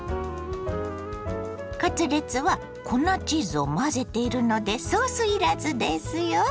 カツレツは粉チーズを混ぜているのでソースいらずですよ。